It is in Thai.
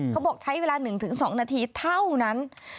เขาบอกใช้เวลา๑๒นาทีเท่านั้น